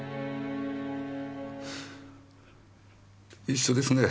一緒ですね